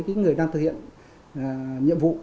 cái người đang thực hiện nhiệm vụ